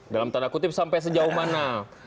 dalam tanda kutip sampai sejauh mana